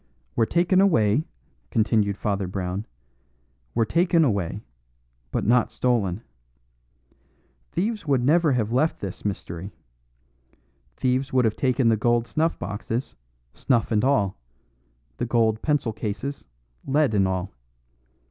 "Were taken away," continued Father Brown; "were taken away but not stolen. Thieves would never have left this mystery. Thieves would have taken the gold snuff boxes, snuff and all; the gold pencil cases, lead and all.